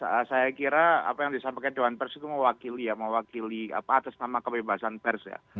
ya renat saya kira apa yang disampaikan dewan pers itu mewakili atas nama kebebasan pers ya